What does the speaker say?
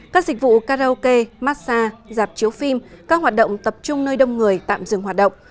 các dịch vụ karaoke massage dạp chiếu phim các hoạt động tập trung nơi đông người tạm dừng hoạt động